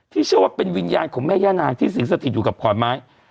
เชื่อว่าเป็นวิญญาณของแม่ย่านางที่สิงสถิตอยู่กับขอนไม้